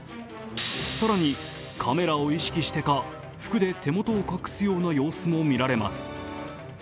更にカメラを意識してか、服で手元を隠すような様子もみられます。